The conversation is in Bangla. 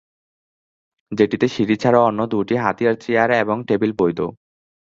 যেটিতে সিঁড়ি ছাড়াও অন্য দুটি হাতিয়ার চেয়ার এবং টেবিল বৈধ।